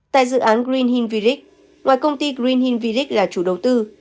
tại dự án green hill village ngoài công ty green hill village là chủ đầu tư